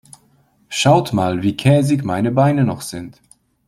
Schaut mal, wie käsig meine Beine noch sind.